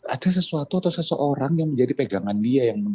ada sesuatu atau seseorang yang menjadi pegangan dia